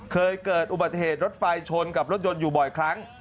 เคยเกิดอุบัติเหตุรถไฟชนกับรถยนต์อยู่บ่อยครั้ง